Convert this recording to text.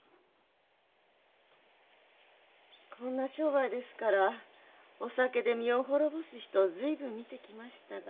こんな商売ですからお酒で身を滅ぼす人を随分見てきましたが。